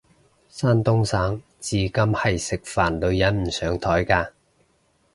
山東省至今係食飯女人唔上枱嘅